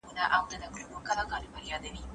د کندهار صنعت کي د کار چاپیریال څنګه دی؟